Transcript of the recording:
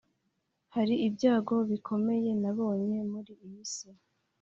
Hari ibyago bikomeye nabonye muri iyi si